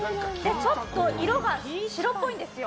ちょっと色が白っぽいんですよ。